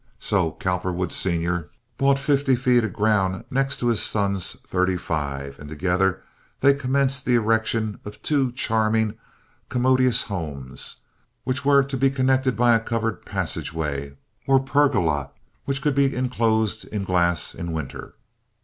So Cowperwood, Sr., bought fifty feet of ground next to his son's thirty five, and together they commenced the erection of two charming, commodious homes, which were to be connected by a covered passageway, or pergola, which could be inclosed with glass in winter.